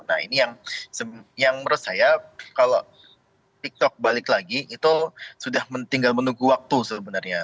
nah ini yang menurut saya kalau tiktok balik lagi itu sudah tinggal menunggu waktu sebenarnya